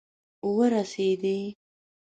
ورسیدي